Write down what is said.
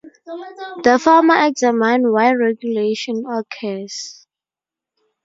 The former examine why regulation occurs.